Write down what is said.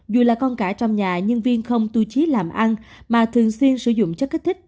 dù là con cả trong nhà nhưng viên không tu trí làm ăn mà thường xuyên sử dụng chất kích thích